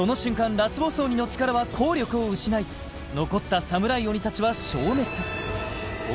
ラスボス鬼の力は効力を失い残ったサムライ鬼達は消滅鬼